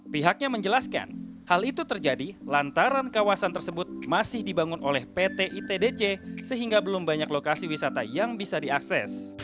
pihaknya menjelaskan hal itu terjadi lantaran kawasan tersebut masih dibangun oleh pt itdc sehingga belum banyak lokasi wisata yang bisa diakses